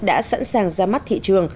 đã sẵn sàng ra mắt thị trường